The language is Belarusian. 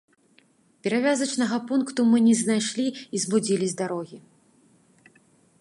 Перавязачнага пункту мы не знайшлі і зблудзілі з дарогі.